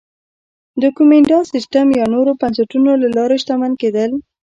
د کومېنډا سیستم یا نورو بنسټونو له لارې شتمن کېدل